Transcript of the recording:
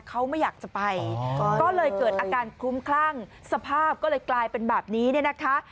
เขาไม่อยากจะไปก็เลยเกิดอาการคลุ้มคลั่งสภาพก็เลยกลายเป็นแบบนี้เนี่ยนะคะ